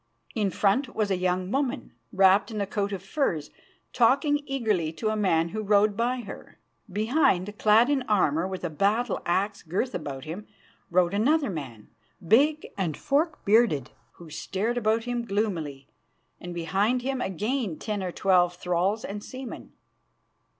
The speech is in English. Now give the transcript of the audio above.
In front was a young woman, wrapped in a coat of furs, talking eagerly to a man who rode by her. Behind, clad in armour, with a battle axe girt about him, rode another man, big and fork bearded, who stared about him gloomily, and behind him again ten or twelve thralls and seamen.